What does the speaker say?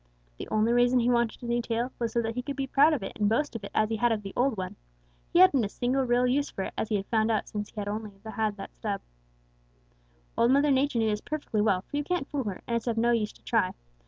The only reason he wanted a new tail was so that he could be proud of it and boast of it as he had of the old one. He hadn't a single real use for it, as he had found out since he had had only that stub. "Old Mother Nature knew this perfectly well, for you can't fool her, and it's of no use to try.